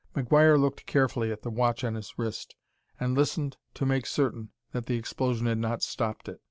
McGuire looked carefully at the watch on his wrist, and listened to make certain that the explosion had not stopped it.